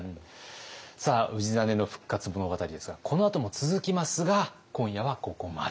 さあ氏真の復活物語ですがこのあとも続きますが今夜はここまで。